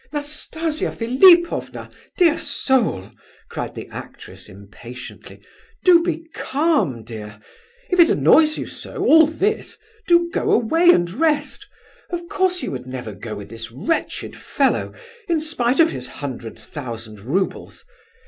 "Nastasia Philipovna, dear soul!" cried the actress, impatiently, "do be calm, dear! If it annoys you so—all this—do go away and rest! Of course you would never go with this wretched fellow, in spite of his hundred thousand roubles!